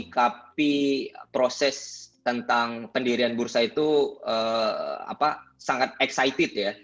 jadi proses tentang pendirian bursa itu sangat excited ya